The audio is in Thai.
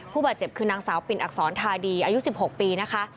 ผู้บาดเจ็บคือนางสาวปิ่นอักษรทาดีอายุ๑๖ปีนะคะ